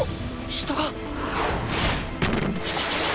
人が！！